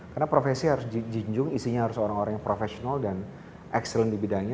karena profesi harus diinjung isinya harus orang orang yang profesional dan excellent di bidangnya